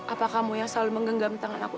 apa kamu yang selalu menggenggam tangan aku